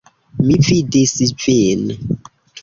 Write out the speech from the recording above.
Mi vidis vin.